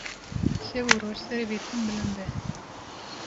Şev û roj serê wî tim bilinde